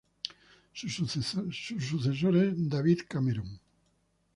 Su sucesor es David Cameron.